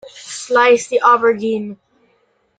Slice the aubergine.